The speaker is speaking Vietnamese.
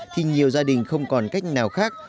thì nhiều gia đình không còn cách nào khác